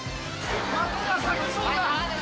またが裂けそうだ。